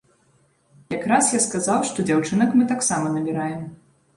Якраз я сказаў, што дзяўчынак мы таксама набіраем.